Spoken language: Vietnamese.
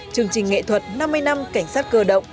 chương trình nghệ thuật năm mươi năm cảnh sát cơ động